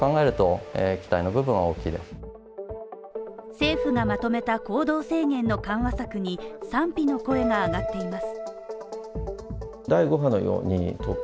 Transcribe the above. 政府がまとめた行動制限の緩和策に賛否の声が上がっています。